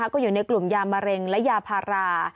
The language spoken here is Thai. ก็อยู่ในกลุ่มยามะเร็งและยาพารา